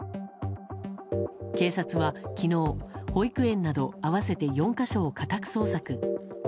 警察は昨日、保育園など合わせて４か所を家宅捜索。